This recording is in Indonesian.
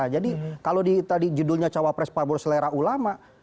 jadi kalau tadi judulnya cawa press pabur selera ulama